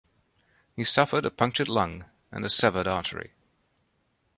He suffered a punctured lung and a severed artery.